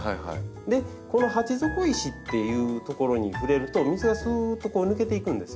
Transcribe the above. この鉢底石っていう所に触れると水がすっと抜けていくんですよ。